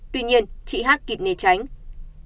tuy nhiên chị hát kịp nề tránh